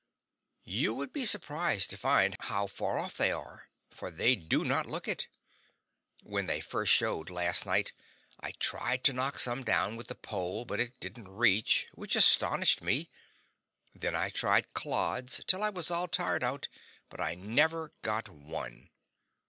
You would be surprised to find how far off they are, for they do not look it. When they first showed, last night, I tried to knock some down with a pole, but it didn't reach, which astonished me; then I tried clods till I was all tired out, but I never got one.